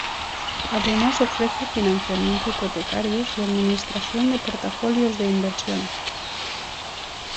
Además ofrece financiamiento hipotecarios y administración de portafolios de inversiones.